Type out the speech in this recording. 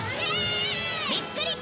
びっくり！？